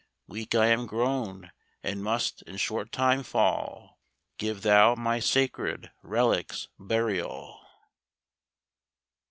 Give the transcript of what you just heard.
Weak I am grown, and must in short time fall; Give thou my sacred reliques burial.